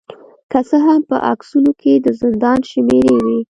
که څه هم په عکسونو کې د زندان شمیرې وې